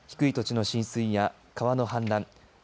低い土地の浸水や川の氾濫